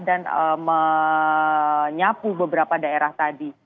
dan menyapu beberapa daerah tadi